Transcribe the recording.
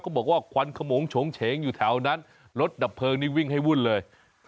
บอกว่าควันขมงโฉงเฉงอยู่แถวนั้นรถดับเพลิงนี่วิ่งให้วุ่นเลย